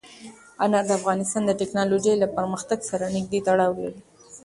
انار د افغانستان د تکنالوژۍ له پرمختګ سره نږدې تړاو لري.